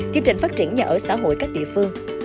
chương trình phát triển nhà ở xã hội các địa phương